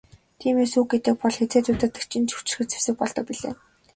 Тиймээс үг гэдэг бол хэзээд удирдагчийн хүчирхэг зэвсэг болдог билээ.